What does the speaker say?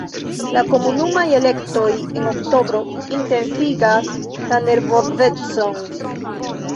La komunumaj elektoj en oktobro intensigas la nervozecon.